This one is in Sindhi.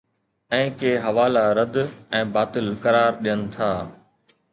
۽ ڪي حوالا رد ۽ باطل قرار ڏين ٿا